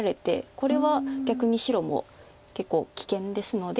これは逆に白も結構危険ですので。